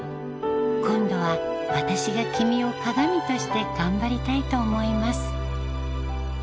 「今度は私が君を鏡として頑張りたいと思います」